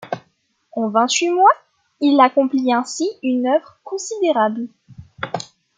En vingt-huit mois, il accomplit ainsi une œuvre considérable.